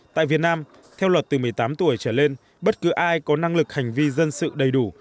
tại việt nam theo luật từ một mươi tám tuổi trở lên bất cứ ai có năng lực hành vi dân sự đầy đủ